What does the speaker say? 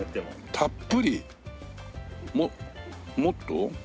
たっぷり？ももっと？